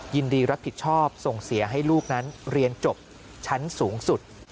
ยินดีรับผิดชอบส่งเสียให้ลูกนั้นเรียนจบชั้นสูงสุด